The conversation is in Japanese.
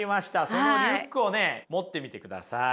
そのリュックをね持ってみてください。